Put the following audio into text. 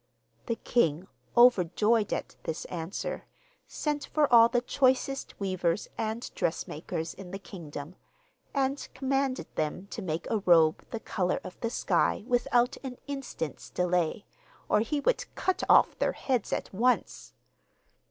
The king, overjoyed at this answer, sent for all the choicest weavers and dressmakers in the kingdom, and commanded them to make a robe the colour of the sky without an instant's delay, or he would cut off their heads at once.